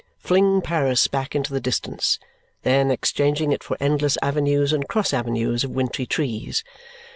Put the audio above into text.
Fling Paris back into the distance, then, exchanging it for endless avenues and cross avenues of wintry trees!